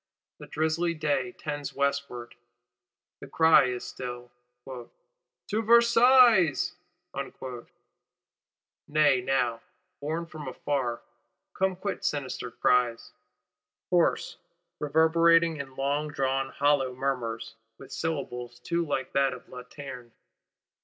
The drizzly day tends westward; the cry is still: 'To Versailles!' Nay now, borne from afar, come quite sinister cries; hoarse, reverberating in longdrawn hollow murmurs, with syllables too like those of _Lanterne!